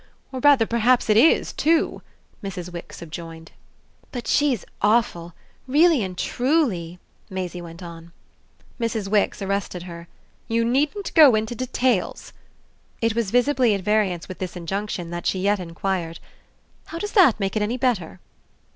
Or rather perhaps it IS too!" Mrs. Wix subjoined. "But she's awful really and truly," Maisie went on. Mrs. Wix arrested her. "You needn't go into details!" It was visibly at variance with this injunction that she yet enquired: "How does that make it any better?"